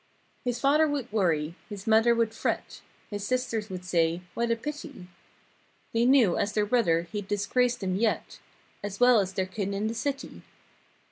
His father would worry; his mother would fret; His sisters would say—"What a pity!" They knew, as their brother, he'd disgrace them yet As well as their kin in the city.